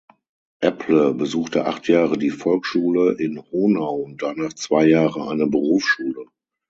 Epple besuchte acht Jahre die Volksschule in Honau und danach zwei Jahre eine Berufsschule.